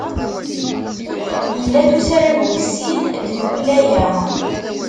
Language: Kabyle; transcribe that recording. Yella-d usarag wis sin n tdukkla-a.